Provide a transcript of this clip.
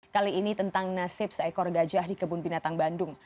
kali ini tentang nasib seekor gajah di kebun binatang bandung